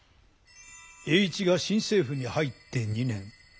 栄一が新政府に入って２年。